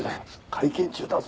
会見中だぞ。